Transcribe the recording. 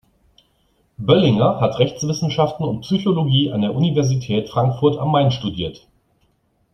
Böllinger hat Rechtswissenschaften und Psychologie an der Universität Frankfurt am Main studiert.